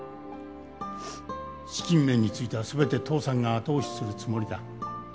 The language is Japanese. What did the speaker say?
「資金面については全て父さんが後押しするつもりだ」